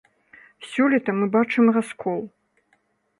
Сёлета мы бачым раскол.